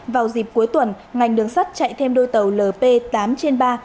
vào dịp cuối tuần ngành đường sắt chạy thêm đôi tàu lp tám trên ba